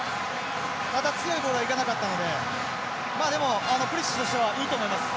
ただ強いボールはいかなかったのでプリシッチとしてはいいと思います。